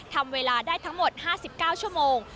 ทำเวลาได้ทั้งหมด๕๙ชั่วโมง